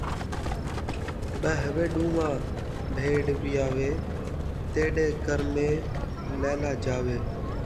ٻہہ وے ݙوماں بھیݙ ویاوے، تیݙے کرمیں لیلا ڄاوے